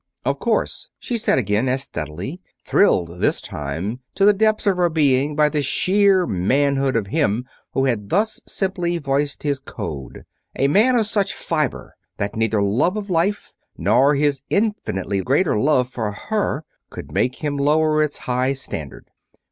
"Of course," she said again, as steadily, thrilled this time to the depths of her being by the sheer manhood of him who had thus simply voiced his Code; a man of such fiber that neither love of life nor his infinitely greater love for her could make him lower its high standard.